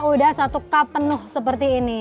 udah satu cup penuh seperti ini